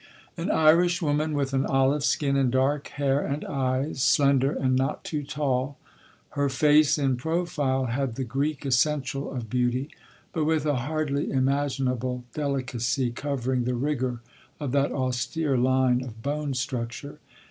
An Irish woman with an olive skin and dark hair and eyes—slender and not too tall. Her face in profile had the Greek essential of beauty, but with a hardly imaginable delicacy covering the rigour of that austere line of bone structure.